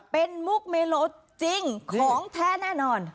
เป็นมุกเมโลจริงของแท้แน่นอน